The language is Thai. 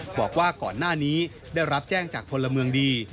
บอกว่าก่อนหน้านี้ได้รับแจ้งจากพลเมืองดี